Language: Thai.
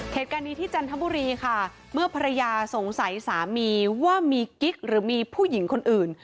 เหตุการณ์นี้ที่จันทบุรีค่ะเมื่อภรรยาสงสัยสามีว่ามีกิ๊กหรือมีผู้หญิงคนอื่น